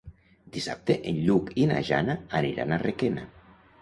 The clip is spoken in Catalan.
Dissabte en Lluc i na Jana aniran a Requena.